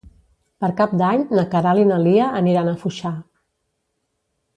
Per Cap d'Any na Queralt i na Lia aniran a Foixà.